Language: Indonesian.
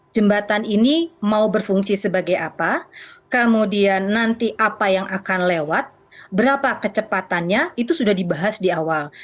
jembatan ini mau berfungsi sebagai apa kemudian nanti apa yang akan lewat berapa kecepatannya itu sudah dibahas di awal